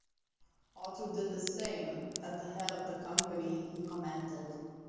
Otto did the same at the head of the company he commanded.